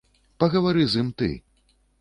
Пагавары з ім ты.